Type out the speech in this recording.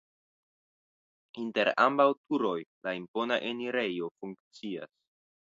Inter ambaŭ turoj la impona enirejo funkcias.